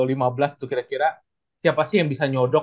itu kira kira siapa sih yang bisa nyodok